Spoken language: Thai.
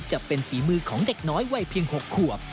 จะเป็นฝีมือของเด็กน้อยวัยเพียง๖ขวบ